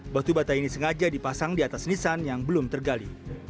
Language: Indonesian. batu bata ini sengaja dipasang di atas nisan yang belum tergali